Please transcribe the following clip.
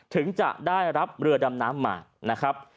ถึงจะได้รับเรือดำน้ำมา